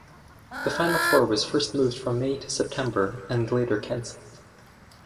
The final four was first moved from May to September and later cancelled.